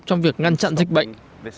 trong việc ngăn chặn dịch bệnh